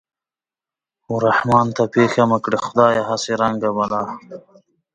و رحمان ته پېښه مه کړې خدايه هسې رنگ بلا